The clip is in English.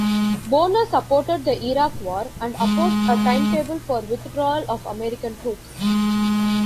Bonner supported the Iraq war and opposed a timetable for withdrawal of American troops.